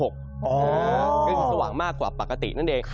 ซึ่งสว่างมากกว่าปกตินั่นเอง